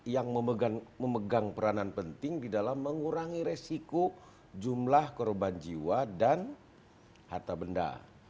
yang memegang peranan penting di dalam mengurangi resiko jumlah korban jiwa dan harta benda